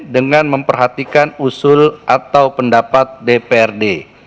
dengan memperhatikan usul atau pendapat dprd